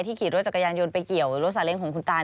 ขี่รถจักรยานยนต์ไปเกี่ยวรถสาเล้งของคุณตา